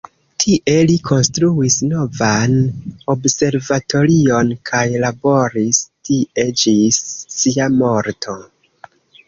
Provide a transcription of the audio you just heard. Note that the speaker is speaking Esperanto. Tie li konstruis novan observatorion kaj laboris tie ĝis sia morto.